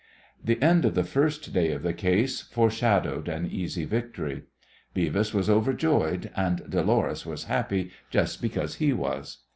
The end of the first day of the case foreshadowed an easy victory. Beavis was overjoyed, and Dolores was happy just because he was.